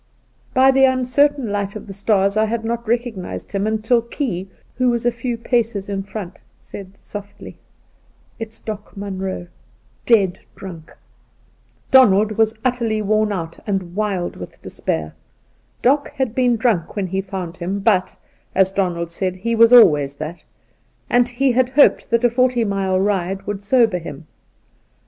By the uncertain light of the stars I had not recognised him, until Key, who was a few paces in front, said softly :' It's Doc Munroe — dead drunk !' Dobald was utterly worn out, and wild with despair. Doc had been drunk when he found him, but (as Donald said) he was always that, and he had hoped that a forty mile ride would sober him.